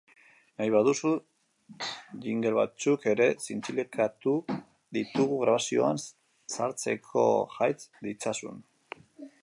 Nahi baduzu, jingle batzuk ere zintzilikatu ditugu grabazioan sartzeko jaits ditzazun.